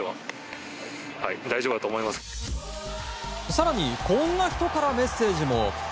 更に、こんな人からメッセージも。